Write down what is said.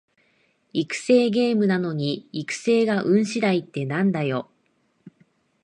育成ゲームなのに育成が運しだいってなんだよ